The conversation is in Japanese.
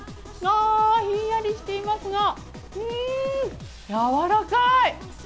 ああ、ひんやりしていますが、うーん、やわらかい。